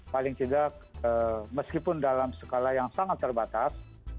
paling tidak meskipun dalam skala yang sangat terbatas